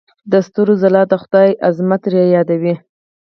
د ستورو ځلا د خدای عظمت رايادوي.